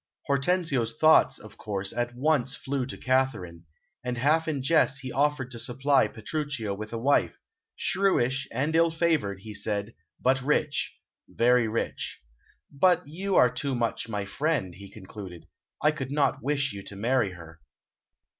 Hortensio's thoughts, of course, at once flew to Katharine, and half in jest he offered to supply Petruchio with a wife, shrewish and ill favoured, he said, but rich very rich. "But you are too much my friend," he concluded; "I could not wish you to marry her."